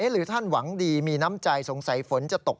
หรือท่านหวังดีมีน้ำใจสงสัยฝนจะตก